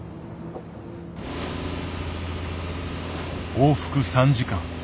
往復３時間。